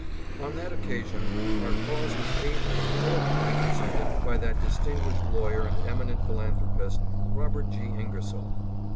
On that occasion our cause was ably and eloquently presented by that distinguished lawyer and eminent philanthropist, Robert G. Ingersoll.